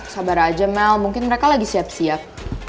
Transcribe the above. sabar aja mel mungkin mereka lagi siap siap